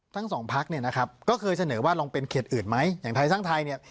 ทั้งสองพักเนี่ยนะครับก็เคยเสนอว่าลองเป็นเขตอื่นไหมอย่างไทยสร้างไทยเนี่ย